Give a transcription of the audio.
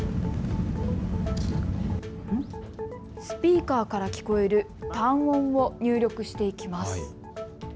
スピーカーから聞こえる単音を入力していきます。